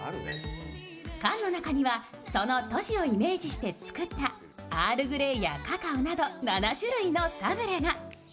缶の中にはその都市をイメージして作ったアールグレイやカカオなど７種類のサブレが。